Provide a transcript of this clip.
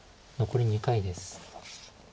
残り２回です。